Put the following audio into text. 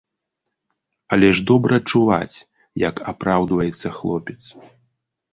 Але ж добра чуваць, як апраўдваецца хлопец.